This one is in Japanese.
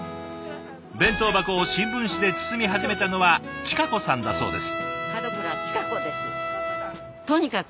弁当箱を新聞紙で包み始めたのは親子さんだそうです。